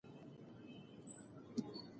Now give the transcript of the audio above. غله ونیسئ.